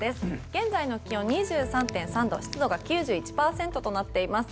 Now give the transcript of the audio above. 現在の気温、２３．３度湿度が９１％となっています。